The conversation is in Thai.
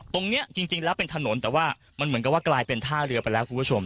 ตรงนี้จริงแล้วเป็นถนนแต่ว่ามันเหมือนกับว่ากลายเป็นท่าเรือไปแล้วคุณผู้ชม